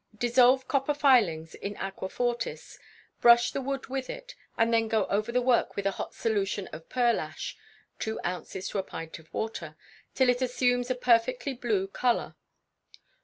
Dissolve copper filings in aquafortis, brush the wood with it, and then go over the work with a hot solution of pearlash (two ounces to a pint of water) till it assumes a perfectly blue colour.